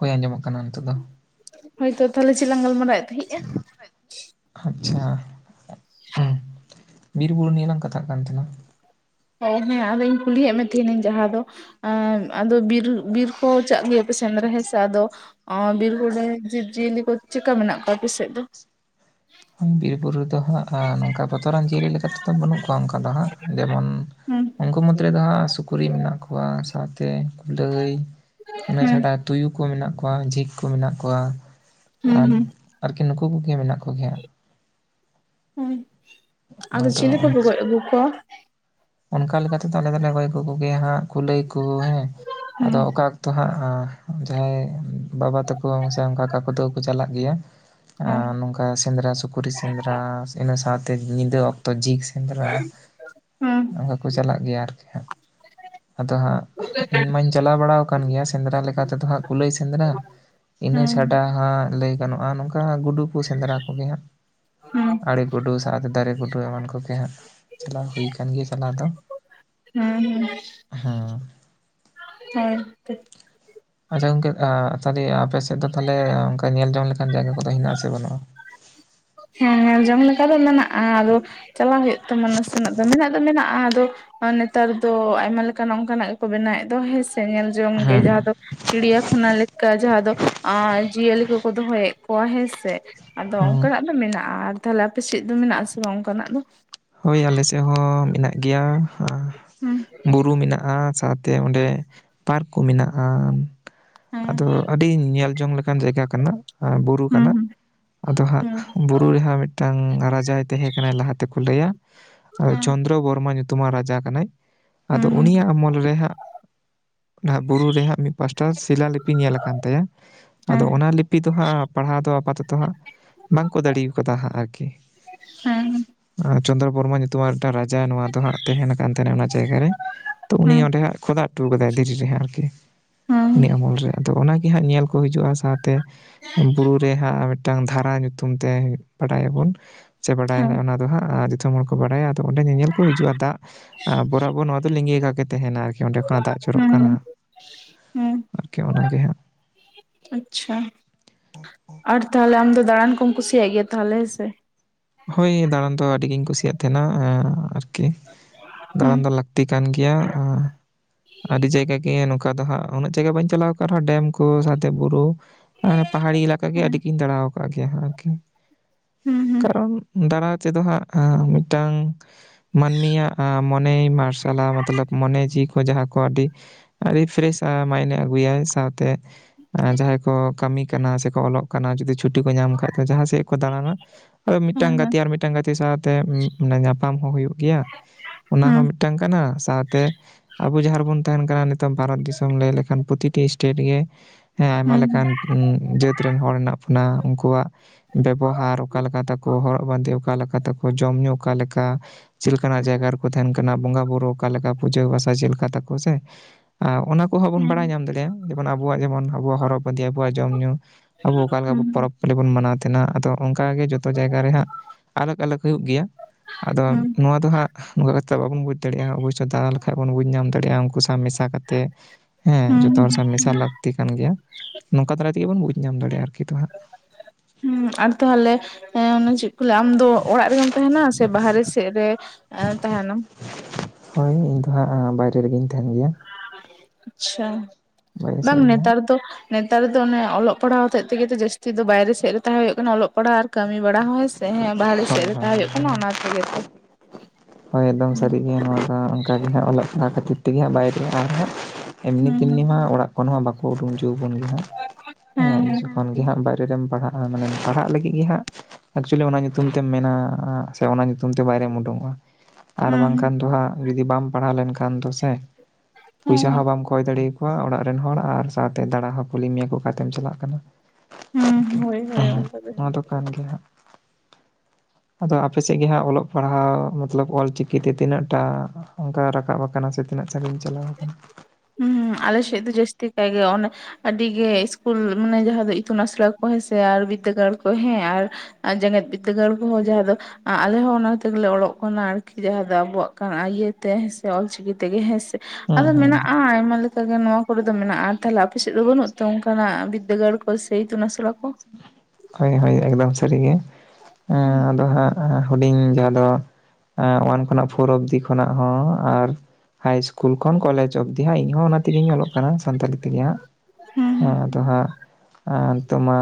ᱦᱳᱭ ᱟᱸᱡᱚᱢᱚᱜ ᱠᱟᱱᱟ ᱱᱤᱛᱳᱜ ᱫᱚ᱾ ᱦᱳᱭᱛᱚ ᱛᱟᱦᱞᱮ ᱪᱮᱫᱞᱟᱝ ᱜᱟᱞᱢᱟᱨᱟᱣᱮᱫ ᱛᱟᱦᱮᱸᱜ-ᱟ? ᱟᱪᱪᱷᱟ, ᱵᱤᱨᱵᱩᱨᱩ ᱱᱤᱭᱟᱹᱞᱟᱝ ᱠᱟᱛᱷᱟᱜ ᱠᱟᱱ ᱛᱟᱸᱦᱮᱱᱟ᱾ ᱦᱮᱸ, [unintelligible] ᱦᱮᱸ, ᱟᱫᱚ ᱤᱧ ᱠᱩᱞᱤᱭᱮᱫ ᱢᱮ ᱛᱟᱸᱦᱮᱱᱤᱧ ᱡᱟᱦᱟᱸ ᱫᱚ ᱟᱸᱻ ᱟᱫᱚ ᱵᱤᱨ, ᱵᱤᱨ ᱠᱚ ᱪᱟᱜ ᱜᱮᱭᱟᱯᱮ ᱥᱮᱸᱫᱽᱨᱟ ᱦᱮᱸ ᱥᱮ ᱟᱫᱚ ᱚ, ᱵᱤᱨᱵᱩᱨᱩ ᱨᱮ ᱡᱤᱵᱽ ᱡᱤᱭᱟᱹᱞᱤ ᱠᱚ ᱪᱮᱫ ᱞᱮᱠᱟ ᱢᱮᱱᱟᱜ ᱠᱚᱣᱟ ᱟᱯᱮ ᱥᱮᱫ ᱫᱚ? ᱩᱸ, ᱵᱤᱨᱵᱩᱨᱩ ᱨᱮᱫᱚ ᱦᱟᱸᱜ ᱱᱚᱝᱠᱟ ᱵᱚᱛᱚᱨᱟᱱ ᱡᱤᱭᱟᱹᱞᱤ ᱞᱮᱠᱟ ᱛᱮᱫᱚ ᱵᱟᱹᱱᱩᱜ ᱠᱚᱣᱟ ᱚᱱᱠᱟ ᱫᱚ ᱦᱟᱸᱜ ᱡᱮᱢᱚᱱ ᱦᱩᱸ᱾ ᱩᱱᱠᱩ ᱢᱩᱫᱽ ᱨᱮᱫᱚ ᱦᱟᱸᱜ ᱥᱩᱠᱨᱤ ᱢᱮᱱᱟᱜ ᱠᱚᱣᱟ ᱥᱟᱶᱛᱮ ᱠᱩᱞᱟᱹᱭ᱾ ᱤᱱᱟᱹ ᱦᱩᱸ ᱪᱷᱟᱰᱟ ᱛᱩᱭᱩ ᱠᱚ ᱢᱮᱱᱟᱜ ᱠᱚᱣᱟ ᱡᱷᱤᱠ ᱠᱚ ᱢᱮᱱᱟᱜ ᱠᱚᱣᱟ᱾ ᱦᱩᱸ ᱟᱨ, ᱦᱩᱸ ᱟᱨᱠᱤ ᱱᱩᱠᱩ ᱠᱚᱜᱮ ᱢᱮᱱᱟᱜ ᱠᱚ ᱜᱮᱭᱟ᱾ ᱦᱩᱸ, ᱟᱫᱚ ᱪᱤᱞᱤ ᱠᱚᱯᱮ ᱜᱚᱡ ᱟᱜᱩ ᱠᱚᱣᱟ? ᱚᱱᱠᱟ ᱞᱮᱠᱟᱛᱮᱫᱚ ᱟᱞᱮ ᱫᱚᱞᱮ ᱜᱚᱡ ᱟᱜᱩ ᱠᱚ ᱜᱮᱭᱟ ᱦᱟᱸᱜ ᱠᱩᱞᱟᱹᱭ ᱠᱚ ᱦᱮᱸ, ᱦᱩᱸ ᱟᱫᱚ ᱚᱠᱟ ᱛᱚ ᱦᱟᱸᱜ ᱡᱟᱦᱟᱸᱭ ᱵᱟᱵᱟ ᱛᱟᱠᱚ ᱥᱮ ᱚᱝᱠᱟ ᱠᱟᱠᱩ ᱛᱟᱠᱚ ᱠᱚ ᱪᱟᱞᱟᱜ ᱜᱮᱭᱟ᱾ ᱦᱮᱸ ᱟᱨ ᱱᱚᱝᱠᱟ ᱥᱮᱸᱫᱽᱨᱟ ᱥᱩᱠᱨᱤ ᱥᱮᱸᱫᱽᱨᱟ ᱤᱱᱟᱹ ᱥᱟᱶᱛᱮ ᱧᱤᱫᱟᱹ ᱚᱠᱛᱚ ᱡᱷᱤᱠ᱾ ᱥᱮᱸᱫᱽᱨᱟ ᱦᱩᱸ ᱚᱱᱠᱟ ᱠᱚ ᱪᱟᱞᱟᱜ ᱜᱮᱭᱟ ᱟᱨᱠᱤ ᱦᱟᱸᱜ᱾ ᱟᱫᱚ ᱦᱟᱸᱜ ᱤᱧ ᱢᱟᱧ ᱪᱟᱞᱟᱣ ᱵᱟᱲᱟᱣ ᱠᱟᱱ ᱜᱮᱭᱟ ᱥᱮᱸᱫᱽᱨᱟ ᱞᱮᱠᱟ ᱛᱮᱫᱚ ᱦᱟᱸᱜ ᱠᱩᱞᱟᱹᱭ ᱥᱮᱸᱫᱽᱨᱟ᱾ ᱤᱱᱟᱹ ᱦᱩᱸ ᱪᱷᱟᱰᱟ ᱦᱟᱸᱜ ᱞᱟᱹᱭ ᱜᱟᱱᱚᱜ-ᱟ ᱱᱚᱝᱠᱟ ᱜᱩᱰᱩ ᱠᱚ ᱥᱮᱸᱫᱽᱨᱟ ᱠᱚᱜᱮᱭᱟ᱾ ᱦᱩᱸ ᱟᱲᱮ ᱜᱩᱰᱩ ᱥᱟᱶᱛᱮ ᱫᱟᱨᱮ ᱜᱩᱰᱩ ᱮᱢᱟᱱ ᱠᱚᱜᱮ ᱦᱟᱸᱜ ᱪᱟᱞᱟᱣ ᱦᱩᱭ ᱠᱟᱱᱟ᱾ ᱦᱮᱸ ᱦᱮᱸ ᱟᱨ ᱦᱮᱸ [unintelligible] ᱛᱮᱜ ᱟᱪᱪᱷᱟ ᱜᱚᱝᱠᱮ ᱛᱟᱦᱞᱮ ᱟᱯᱮᱥᱮᱫ ᱫᱚ ᱛᱟᱦᱞᱮ ᱚᱱᱠᱟ ᱧᱮᱞ ᱡᱚᱝ ᱞᱮᱠᱟᱱ ᱡᱟᱭᱜᱟ ᱠᱚᱫᱚ ᱦᱮᱱᱟᱜ ᱟᱥᱮ ᱵᱟᱹᱱᱩᱜᱼᱟ᱾ ᱦᱮᱸ ᱧᱮᱞ ᱡᱚᱝ ᱞᱮᱠᱟ ᱫᱚ ᱢᱮᱱᱟᱜᱼᱟ ᱟᱫᱚ ᱪᱟᱞᱟᱜ ᱦᱩᱭᱩᱜ ᱛᱟᱢᱟ ᱱᱟᱥᱮᱱᱟᱜ ᱫᱚ ᱢᱮᱱᱟᱜ ᱢᱮᱱᱟᱜᱼᱟ ᱟᱫᱚ ᱱᱮᱛᱟᱨ ᱫᱚ ᱟᱭᱢᱟ ᱞᱮᱠᱟᱱᱟᱜ ᱚᱱᱠᱟᱱᱟᱜ ᱜᱮᱠᱚ ᱵᱮᱱᱟᱣᱮᱫ ᱫᱚ ᱦᱮᱸ ᱥᱮ ᱧᱮᱞ ᱡᱚᱝ ᱜᱮ ᱡᱟᱦᱟᱸ ᱦᱮᱸ ᱫᱚ ᱪᱤᱲᱭᱟᱠᱷᱟᱱᱟ ᱞᱮᱠᱟ ᱡᱟᱦᱟᱸ ᱫᱚ ᱡᱤᱭᱟᱹᱞᱤ ᱠᱚᱠᱚ ᱫᱚᱦᱚᱭᱮᱫ ᱠᱚᱣᱟ ᱦᱮᱸ ᱥᱮ ᱟᱫᱚ ᱦᱮᱸ ᱚᱱᱠᱟᱱᱟᱜ ᱫᱚ ᱢᱮᱱᱟᱜᱼᱟ ᱟᱨ ᱛᱟᱦᱞᱮ ᱟᱯᱮ ᱥᱮᱫ ᱫᱚ ᱢᱮᱱᱟᱜ ᱟᱥᱮ ᱵᱟᱝ ᱚᱱᱠᱟᱱᱟᱜ ᱫᱚ? ᱦᱩᱭ ᱟᱞᱮ ᱥᱮᱫ ᱦᱚᱸ ᱢᱮᱱᱟᱜ ᱜᱮᱭᱟ ᱦᱩᱸ ᱵᱩᱨᱩ ᱢᱮᱱᱟᱜᱼᱟ ᱥᱟᱛ ᱛᱮ ᱚᱸᱰᱮ ᱯᱟᱨᱠ ᱠᱚ ᱢᱮᱱᱟᱜᱼᱟ᱾ ᱟᱫᱚ ᱦᱮᱸ ᱟᱹᱰᱤ ᱧᱮᱞ ᱡᱚᱝ ᱞᱮᱠᱟᱱ ᱡᱟᱭᱜᱟ ᱠᱟᱱᱟ ᱵᱩᱨᱩ ᱦᱩᱸ ᱠᱟᱱᱟ᱾ ᱦᱩᱸ ᱟᱫᱚ ᱦᱟᱸᱜ ᱦᱩᱸ ᱵᱩᱨᱩ ᱨᱮᱦᱟᱜ ᱢᱤᱫᱴᱟᱝ ᱨᱟᱡᱟᱭ ᱛᱟᱦᱮᱸ ᱠᱟᱱᱟ ᱞᱟᱦᱟᱛᱮ ᱦᱮᱸ ᱪᱚᱱᱫᱨᱚ ᱵᱚᱨᱢᱟ ᱧᱩᱛᱩᱢᱟᱱ ᱨᱟᱡᱟ ᱠᱟᱱᱟᱭ ᱟᱫᱚ ᱦᱩᱸ ᱩᱱᱤᱭᱟᱜ ᱟᱢᱚᱞ ᱨᱮᱦᱟᱸᱜ ᱚᱱᱟ ᱵᱩᱨᱩ ᱨᱮᱦᱟᱸᱜ ᱢᱤᱫ ᱯᱟᱥᱴᱟ ᱥᱤᱞᱟ ᱞᱤᱯᱤ ᱧᱮᱞ ᱟᱠᱟᱱ ᱛᱟᱭᱟ᱾ ᱦᱩᱸ ᱟᱫᱚ ᱦᱮᱸ ᱚᱱᱟ ᱞᱤᱯᱤ ᱫᱚ ᱦᱟᱸᱜ ᱯᱟᱲᱦᱟᱣ ᱫᱚ ᱟᱯᱟᱫᱚᱛᱚ ᱦᱟᱸᱜ ᱵᱟᱝᱠᱚ ᱫᱟᱲᱮᱠᱟᱫᱟ ᱦᱟᱸᱜ ᱟᱨᱠᱤ ᱦᱮᱸ ᱪᱚᱱᱨᱚ ᱵᱚᱨᱢᱟ ᱧᱩᱛᱩᱢ ᱨᱟᱡᱟ ᱱᱚᱣᱟ ᱫᱚ ᱦᱟᱸᱜ ᱛᱟᱦᱮᱸᱱ ᱠᱟᱱ ᱛᱟᱦᱮᱸᱱᱟ ᱚᱱᱟ ᱡᱟᱭᱜᱟ ᱨᱮ ᱛᱚ ᱩᱱᱤ ᱦᱮᱸ ᱚᱸᱰᱮ ᱦᱟᱜ ᱠᱷᱚᱫᱟ ᱠᱟᱫᱟᱭ ᱫᱷᱮᱨᱤ ᱨᱮ ᱦᱟᱜ ᱟᱨᱠᱤ ᱦᱮᱸ ᱩᱱᱤ ᱟᱢᱚᱞ ᱨᱮ ᱟᱫᱚ ᱚᱱᱟᱜᱮ ᱦᱟᱸᱜ ᱧᱮᱞ ᱠᱚ ᱦᱤᱡᱩᱜᱼᱟ᱾ ᱥᱟᱶᱛᱮ ᱵᱩᱨᱩ ᱨᱮ ᱦᱟᱸᱜ ᱢᱤᱫᱴᱟᱝ ᱫᱷᱟᱨᱟ ᱧᱩᱛᱩᱢ ᱛᱮ ᱵᱟᱲᱟᱭᱟᱵᱚᱱ ᱪᱮ ᱦᱮᱸ ᱵᱟᱰᱟᱭᱟ ᱚᱱᱟ [unintelligible] ᱟᱫᱚ ᱦᱟᱸᱜ ᱫᱤᱥᱚᱢ ᱦᱚᱲ ᱠᱚ ᱵᱟᱲᱟᱭᱟ ᱟᱫᱚ ᱚᱸᱰᱮ ᱧᱮᱧᱮᱞ ᱠᱚ ᱦᱤᱡᱩᱜᱼᱟ ᱫᱟᱜ ᱵᱚᱨᱟᱵᱚᱨ ᱱᱚᱣᱟ ᱫᱚ ᱞᱤᱸᱜᱤᱠᱟ ᱜᱮ ᱛᱟᱦᱮᱱᱟ ᱟᱨ ᱚᱸᱰᱮ ᱠᱷᱚᱱᱟᱜ ᱫᱟᱜ ᱡᱚᱨᱚᱜ ᱠᱟᱱᱟ ᱦᱮᱸ ᱦᱮᱸ ᱟᱨᱠᱤ ᱚᱱᱟᱜ ᱜᱮ ᱦᱟᱜ ᱟᱪᱪᱷᱟ ᱟᱨ ᱛᱟᱦᱞᱮ ᱟᱢ ᱫᱚ ᱫᱟᱬᱟᱱ ᱠᱚᱢ ᱠᱩᱥᱤᱭᱟᱜ ᱜᱮᱭᱟ ᱛᱟᱦᱞᱮ ᱦᱮᱸ ᱥᱮ ᱦᱳᱭ ᱫᱟᱟᱟᱱ ᱫᱚ ᱟᱹᱰᱤ ᱜᱤᱧ ᱠᱩᱥᱤᱭᱟᱜ ᱛᱟᱦᱮᱸᱱᱟ ᱟᱨᱠᱤ ᱦᱩᱸ ᱫᱟᱲᱟᱱ ᱫᱚ ᱞᱟᱠᱛᱤ ᱠᱟᱱ ᱜᱮᱭᱟ ᱟᱹᱰᱤ ᱡᱟᱭᱜᱟ ᱜᱮ ᱱᱚᱝᱠᱟ ᱫᱚ ᱦᱟᱸᱜ ᱩᱱᱟᱹᱜ ᱡᱟᱭᱜᱟ ᱵᱟᱹᱧ ᱪᱟᱞᱟᱣ ᱟᱠᱫ ᱨᱮᱦᱚᱸ ᱰᱮᱢ ᱠᱚ ᱥᱟᱶᱛᱮ ᱵᱩᱨᱩ ᱯᱟᱦᱟᱲᱤ ᱮᱞᱟᱠᱟ ᱜᱮ ᱦᱮᱸ ᱟᱹᱰᱤᱜᱤᱧ ᱫᱟᱬᱟ ᱟᱠᱟᱫ ᱜᱮᱭᱟ ᱟᱨᱠᱤ ᱦᱩᱸ ᱦᱩᱸ ᱦᱮᱸ ᱠᱟᱨᱚᱱ ᱫᱟᱲᱟ ᱛᱮᱫᱚ ᱦᱟᱸᱜ ᱢᱤᱫᱴᱟᱝ ᱢᱟᱹᱱᱢᱤᱭᱟᱜ ᱢᱚᱱᱮ ᱢᱟᱨᱥᱟᱞᱟ ᱢᱚᱛᱞᱚᱵ ᱢᱚᱱᱮ ᱡᱤᱣᱤ ᱠᱚ ᱡᱟᱦᱟᱸ ᱠᱚ ᱟᱹᱰᱤ ᱟᱹᱰᱤ ᱯᱷᱨᱮᱥᱼᱟ ᱢᱟᱭᱤᱱᱰ ᱮ ᱟᱹᱜᱩᱭᱟ ᱥᱟᱶᱛᱮ ᱡᱟᱦᱟᱸᱭ ᱠᱚ ᱠᱟᱹᱢᱤ ᱠᱟᱱᱟ ᱥᱮᱠᱚ ᱚᱞᱚᱜ ᱠᱟᱱᱟ ᱡᱚᱫᱤ ᱪᱷᱩᱴᱤ ᱠᱚ ᱧᱟᱢᱟ ᱠᱷᱟᱡ ᱫᱚ ᱡᱟᱦᱟᱸ ᱥᱮᱫ ᱠᱚ ᱫᱟᱬᱟᱱᱟ ᱟᱫᱚ ᱢᱤᱫᱴᱟᱱ ᱦᱮᱸ ᱜᱟᱛᱮ ᱟᱨ ᱢᱤᱫᱴᱟᱱ ᱜᱟᱛᱮ ᱥᱟᱶᱛᱮᱟᱱ ᱧᱟᱯᱟᱢ ᱦᱚᱸ ᱦᱩᱭᱩᱜ ᱜᱮᱭᱟ᱾ ᱚᱱᱟ ᱦᱩᱸ ᱦᱚᱸ ᱢᱤᱫᱴᱟᱝ ᱠᱟᱱᱟ ᱥᱟᱶᱛᱮ ᱟᱵᱚ ᱡᱟᱦᱟᱸ ᱨᱮᱵᱚᱱ ᱛᱟᱦᱮᱱ ᱠᱟᱱᱟ ᱱᱤᱛᱚᱜ ᱵᱷᱟᱨᱚᱛ ᱫᱤᱥᱚᱢ ᱞᱟᱹᱭ ᱞᱮᱠᱷᱟᱱ ᱯᱨᱚᱛᱤᱴᱤ ᱥᱴᱮᱴ ᱜᱮ ᱦᱮᱸ ᱟᱭᱢᱟ ᱦᱩᱸ ᱦᱩᱸ ᱞᱮᱠᱟᱱ ᱦᱮᱸ ᱡᱟᱹᱛ ᱨᱮᱱ ᱦᱚᱲ ᱦᱮᱱᱟᱜ ᱵᱚᱱᱟ ᱩᱱᱠᱩᱣᱟᱜ ᱵᱮᱵᱚᱦᱟᱨ ᱚᱠᱟ ᱞᱮᱠᱟ ᱛᱟᱠᱚ ᱦᱚᱨᱚᱜ ᱵᱟᱸᱫᱮ ᱚᱠᱟ ᱞᱮᱠᱟ ᱛᱟᱠᱚ ᱡᱚᱢ ᱧᱩ ᱚᱠᱟᱞᱮᱠᱟ ᱪᱮᱫ ᱞᱮᱠᱟᱱᱟᱜ ᱡᱟᱭᱜᱟ ᱨᱮᱠᱚ ᱛᱟᱦᱮᱱ ᱠᱟᱱᱟ ᱵᱚᱸᱜᱟᱼ ᱵᱩᱨᱩ ᱚᱠᱟ ᱞᱮᱠᱟ ᱯᱩᱡᱟᱹ ᱵᱟᱥᱟ ᱪᱮᱫ ᱞᱮᱠᱟ ᱛᱟᱠᱚ ᱥᱮ ᱚᱱᱟ ᱠᱚᱦᱚᱸ ᱵᱚᱱ ᱵᱟᱲᱟᱭ ᱧᱟᱢ ᱫᱟᱲᱮᱭᱟᱜᱼᱟ ᱡᱮᱢᱚᱱ ᱟᱵᱚᱣᱟᱜ ᱡᱮᱢᱚᱱ ᱟᱵᱚᱣᱟᱜ ᱦᱚᱨᱚᱜ ᱵᱟᱸᱫᱮ ᱟᱵᱚᱣᱟᱜ ᱡᱚᱢᱼ ᱧᱩ ᱟᱵᱚ ᱚᱠᱟ ᱞᱮᱠᱟ ᱦᱩᱸ ᱯᱚᱨᱚᱵᱽ ᱯᱟᱞᱞᱤ ᱵᱚᱱ ᱢᱟᱱᱟᱣ ᱛᱟᱦᱮᱱᱟ ᱟᱫᱚ ᱚᱱᱠᱟᱜᱮ ᱡᱚ ᱡᱚᱛᱚ ᱡᱟᱭᱜᱟ ᱨᱮ ᱦᱟᱸᱜ ᱟᱞᱟᱜᱽ ᱟᱞᱟᱜᱽ ᱦᱩᱭᱩᱜ ᱜᱮᱭᱟ ᱟᱫᱚ ᱱᱚᱣᱟ ᱫᱚ ᱦᱟᱸᱜ ᱱᱚᱝᱠᱟ ᱠᱟ ᱠᱟᱛᱮᱮᱫ ᱵᱟᱵ ᱵᱩᱡᱽ ᱫᱟᱲᱮᱭᱟᱜᱼᱟ ᱚᱵᱚᱥᱳᱭ ᱫᱟᱲᱟ ᱞᱮᱠᱷᱟᱱ ᱵᱩᱡᱽ ᱧᱟᱢ ᱫᱟᱲᱮᱭᱟᱜᱼᱟ ᱩᱱᱠᱩ ᱥᱟᱶ ᱢᱮᱥᱟ ᱠᱟᱛᱮ ᱦᱮᱸ ᱦᱩᱸ ᱡᱚᱛᱚ ᱦᱚᱲ ᱦᱩᱸ ᱥᱟᱶ ᱢᱮᱥᱟᱞ ᱞᱟᱹᱠᱛᱤ ᱠᱟᱱ ᱜᱮᱭᱟ ᱱᱚᱝᱠᱟ ᱫᱟᱨᱟᱭ ᱛᱮᱜᱮ ᱵᱚᱱ ᱵᱩᱡᱽ ᱧᱟᱢ ᱫᱟᱲᱮᱭᱟᱜᱼᱟ ᱟᱨᱠᱤ ᱛᱚ ᱦᱟᱸᱜ ᱟᱨ ᱛᱟᱦᱚᱞᱮ ᱚᱱᱮ ᱪᱮᱫ ᱠᱚ ᱞᱟᱹᱭᱟ ᱟᱢᱫᱚ ᱚᱲᱟᱜ ᱨᱮᱜᱮᱢ ᱛᱟᱦᱮᱱᱟ ᱥᱮ ᱵᱟᱦᱨᱮ ᱥᱮᱫ ᱨᱮ ᱟᱨ ᱛᱟᱦᱮᱸᱱᱟᱢ᱾ ᱦᱳᱭ ᱤᱧ ᱫᱚ ᱦᱟᱸᱜ ᱵᱟᱭᱨᱮ ᱨᱮᱜᱮᱧ ᱛᱟᱦᱮᱸᱱ ᱜᱮᱭᱟ᱾ ᱟᱪᱪᱷᱟ, ᱵᱟᱭᱨᱮ ᱵᱟᱝ ᱥᱮᱫ ᱨᱮᱜᱮ ᱦᱟᱸᱜ ᱱᱮᱛᱟᱨ ᱫᱚ ᱱᱮᱛᱟᱨ ᱫᱚ ᱚᱱᱮ ᱚᱞᱚᱜ ᱯᱟᱲᱦᱟᱣ ᱦᱚᱛᱮᱡ ᱛᱮᱜᱮ ᱛᱚ ᱡᱟᱹᱥᱛᱤ ᱫᱚ ᱵᱟᱭᱨᱮ ᱥᱮᱫ ᱨᱮ ᱛᱟᱦᱮᱸ ᱦᱩᱭᱩᱜ ᱠᱟᱱᱟ ᱚᱜ ᱯᱟᱲᱦᱟᱜ ᱟᱨ ᱠᱟᱹᱢᱤ ᱵᱟᱲᱟ ᱦᱚᱸ ᱦᱮᱸ ᱥᱮ, ᱦᱮᱸ ᱵᱟᱦᱨᱮ ᱦᱳᱭ ᱥᱮᱫ ᱨᱮ ᱦᱳᱭ ᱛᱟᱦᱮᱸ ᱦᱩᱭᱩᱜ ᱠᱟᱱᱟ ᱚᱱᱟ ᱛᱮᱜᱮ ᱛᱚ᱾ ᱦᱳᱭ ᱮᱠᱫᱚᱢ ᱦᱩᱸ ᱥᱟᱹᱨᱤ ᱜᱮ ᱱᱚᱣᱟ ᱫᱚ ᱚᱝᱠᱟ ᱜᱮ ᱦᱟᱸᱜ ᱚᱞᱚᱜ ᱯᱟᱲᱦᱟᱜ ᱠᱷᱟᱹᱛᱤᱨ ᱛᱮᱜᱮ ᱦᱟᱸᱜ ᱵᱟᱭᱨᱮ ᱟᱨ ᱦᱟᱸᱜ ᱮᱢᱱᱤ ᱦᱩᱸ ᱦᱩᱸ ᱛᱮᱢᱱᱤ ᱢᱟ ᱚᱲᱟᱜ ᱠᱷᱚᱱ ᱦᱚᱸ ᱵᱟᱠᱚ ᱩᱰᱩᱠ ᱦᱚᱪᱚᱵᱚᱱ ᱜᱮ ᱦᱟᱸᱜ, ᱦᱮᱸ ᱦᱮᱸ [inaudible] ᱠᱷᱚᱱ ᱜᱮ ᱦᱟᱸᱜ ᱵᱟᱭᱨᱮ ᱨᱮᱢ ᱯᱟᱲᱦᱟᱜᱼᱟ, ᱢᱟᱱᱮ ᱯᱟᱲᱦᱟᱜ ᱞᱟᱹᱜᱤᱫ ᱜᱮ ᱦᱟᱸᱜ ᱮᱠᱪᱩᱭᱮᱞᱤ ᱚᱱᱟ ᱧᱩᱛᱩᱢ ᱛᱮ ᱢᱮᱱᱟ ᱥᱮ ᱚᱱᱟ ᱧᱩᱛᱩᱢ ᱛᱮ ᱵᱟᱭᱨᱮᱢ ᱩᱰᱩᱝᱚᱜᱼᱟ᱾ ᱟᱨ ᱵᱟᱝᱠᱷᱟᱱ ᱦᱮᱸ ᱫᱚ ᱦᱟᱸᱜ ᱡᱩᱫᱤ ᱵᱟᱢ ᱯᱟᱲᱦᱟᱣ ᱞᱮᱱᱠᱷᱟᱱ ᱫᱚ ᱥᱮ, ᱦᱮᱸ ᱯᱩᱭᱥᱟ ᱦᱮᱸ ᱦᱚᱸ ᱵᱟᱢ ᱠᱚᱭ ᱫᱟᱲᱮ ᱟᱠᱚᱣᱟ ᱚᱲᱟᱜ ᱨᱮᱱ ᱦᱚᱲ ᱟᱨ ᱥᱟᱶᱛᱮ ᱫᱟᱬᱟ ᱦᱚᱸ ᱠᱩᱞᱤ ᱢᱮᱭᱟ ᱠᱚ ᱚᱠᱟ ᱛᱮᱢ ᱪᱟᱞᱟᱜ ᱠᱟᱱᱟ᱾ ᱦᱮᱸ ᱦᱳᱭ ᱦᱳᱭ ᱚᱱᱠᱟ ᱜᱮ ᱱᱚᱣᱟ ᱫᱚ ᱠᱟᱱ ᱜᱮ ᱦᱟᱸᱜ᱾ ᱟᱫᱚ ᱟᱯᱮ ᱥᱮᱜ ᱜᱮ ᱦᱟᱸᱜ ᱚᱞᱚᱜ ᱯᱟᱲᱦᱟᱣ ᱢᱟ ᱛᱞᱚᱵ ᱚᱞᱪᱤᱠᱤ ᱛᱮ ᱛᱤᱱᱟᱹᱜ ᱴᱟᱜ ᱚᱝᱠᱟ ᱨᱟᱠᱟᱵ ᱟᱠᱟᱱᱟ ᱥᱮ ᱛᱤᱱᱟᱹᱜ ᱥᱟᱺᱜᱤᱧ ᱪᱟᱞᱟᱣ ᱟᱠᱟᱱᱟ᱾ ᱦᱩᱸ ᱟᱞᱮ ᱥᱮᱜ ᱫᱚ ᱡᱟᱹᱥᱛᱤ ᱠᱟᱭ ᱜᱮ ᱚᱱᱮ ᱟᱹᱰᱤ ᱜᱮ ᱤᱥᱠᱩᱞ ᱢᱟᱱᱮ ᱡᱟᱦᱟᱸ ᱫᱚ ᱤᱛᱩᱱ ᱟᱥᱲᱟ ᱠᱚ ᱦᱮᱸ ᱥᱮ ᱟᱨ ᱵᱤᱫᱽᱫᱟᱹᱜᱟᱲ ᱠᱚ ᱦᱮᱸ ᱟᱨ ᱟᱨ ᱡᱮᱜᱮᱛ ᱵᱤᱨᱫᱟᱹᱜᱟᱲ ᱠᱚ ᱦᱚᱸ ᱡᱟᱦᱟᱸ ᱫᱚ ᱟᱞᱮ ᱦᱚᱸ ᱚᱱᱟ ᱛᱮᱜᱮ ᱞᱮ ᱚᱞᱚᱜ ᱠᱟᱱᱟ ᱟᱨᱠᱤ ᱡᱟᱦᱟᱸ ᱫᱚ ᱟᱵᱚᱣᱟᱜ ᱠᱟᱱᱟ ᱤᱭᱟᱹ ᱛᱮ ᱦᱮᱸ ᱥᱮ ᱚᱞᱪᱤᱠᱤ ᱛᱮᱜᱮ ᱦᱮᱸ ᱥᱮ᱾ ᱦᱩᱸ ᱟᱫᱚ ᱦᱩᱸ ᱢᱮᱱᱟᱜ ᱟᱭᱢᱟ ᱞᱮᱠᱟ ᱜᱮ ᱱᱚᱣᱟ ᱠᱚᱨᱮ ᱫᱚ ᱢᱮᱱᱟᱜᱼᱟ, ᱛᱟᱦᱚᱞᱮ ᱟᱯᱮ ᱥᱮᱫ ᱫᱚ ᱵᱟᱹᱱᱩᱜ ᱛᱮ ᱚᱝᱠᱟᱱᱟᱜ ᱵᱤᱫᱽᱫᱟᱹᱜᱟᱲ ᱠᱚ ᱥᱮ ᱤᱛᱩᱱ ᱟᱥᱲᱟ ᱠᱚ? ᱦᱳᱭ ᱦᱳᱭ ᱮᱠᱫᱚᱢ ᱥᱟᱹᱨᱤ ᱜᱮ, ᱦᱩᱸ ᱟᱫᱚ ᱦᱟᱸᱜ ᱦᱩᱰᱤᱧ ᱡᱟᱦᱟᱸ ᱫᱚ ᱳᱣᱟᱱ ᱠᱷᱚᱱᱟᱜ ᱯᱷᱳᱨ ᱚᱯᱷᱫᱤ ᱠᱷᱚᱱᱟᱜ ᱦᱚᱸ ᱟᱨ ᱦᱟᱭ ᱤᱥᱠᱩᱞ ᱠᱷᱚᱱ ᱠᱚᱞᱮᱡᱽ ᱚᱵᱫᱤ ᱦᱟᱸᱜ ᱤᱧᱦᱚᱸ ᱚᱱᱟ ᱛᱮᱜᱮᱧ ᱚᱞᱚᱜ ᱠᱟᱱᱟ ᱥᱟᱱᱛᱟᱞᱤ ᱛᱮᱜᱮ ᱦᱟᱸᱜ᱾ ᱦᱩᱸ᱾ ᱦᱮᱸ ᱟᱫᱚ ᱦᱟᱸᱜ, ᱱᱤᱛᱚᱜ ᱢᱟ